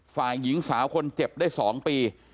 ฝ่ายหญิงสาวคนเจ็บได้๒ปี